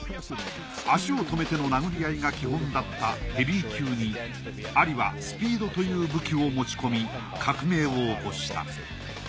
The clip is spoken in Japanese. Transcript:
足を止めての殴り合いが基本だったヘビー級にアリはスピードという武器を持ち込み革命を起こした。